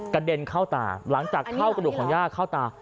เด็นเข้าตาหลังจากเข้ากระดูกของย่าเข้าตา